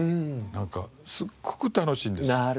なんかすっごく楽しいんです。